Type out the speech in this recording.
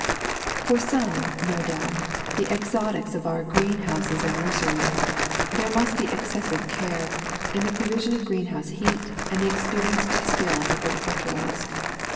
For some, no doubt — the exotics of our greenhouses and nurseries — there must be excessive care, in the provision of greenhouse heat and the experienced skill of the horticulturist.